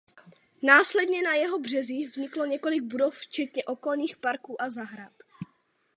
Následně na jeho březích vzniklo několik budov včetně okolních parků a zahrad.